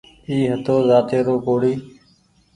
اي هتو زاتي رو ڪوڙي هيتو